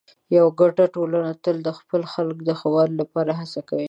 یوه ګډه ټولنه تل د خپلو خلکو د ښه والي لپاره هڅه کوي.